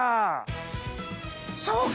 そうか。